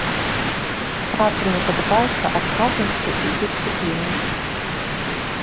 Праца мне падабаецца адказнасцю і дысцыплінай.